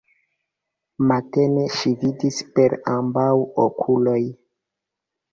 Matene ŝi vidis per ambaŭ okuloj.